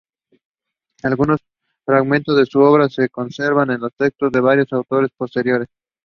Algunos fragmentos de su obra se conservan en los textos de varios autores posteriores.